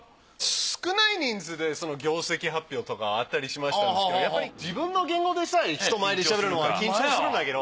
少ない人数で業績発表とかあったりしましたけど自分の言語でさえ人前でしゃべるのは緊張するんだけど。